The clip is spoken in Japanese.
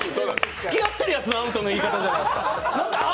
つきあってるやつのアウトの言い方じゃないですか。